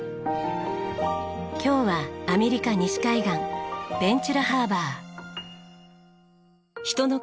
今日はアメリカ西海岸ベンチュラハーバー。